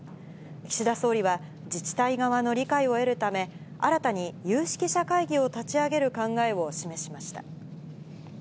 岸田総理は、自治体側の理解を得るため、新たに有識者会議を立ち上げる考えを示しました。